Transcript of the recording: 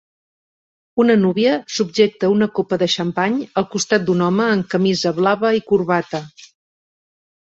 Una núvia subjecta una copa de xampany al costat d'un home amb camisa blava i corbata.